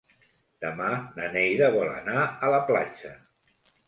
Demà na Neida vol anar a la platja.